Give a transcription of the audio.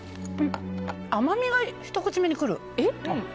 甘みがひと口目にくる。